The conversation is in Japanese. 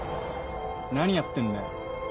何やってんだよ。